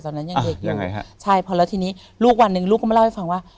ตอนนั้นยังเด็กอยู่ใช่พอแล้วทีนี้ลูกวันหนึ่งลูกก็มาเล่าให้ฟังว่า